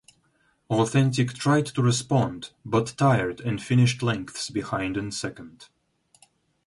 Authentic tried to respond but tired and finished lengths behind in second.